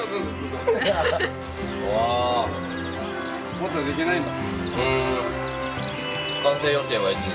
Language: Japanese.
まだ出来ないんだ。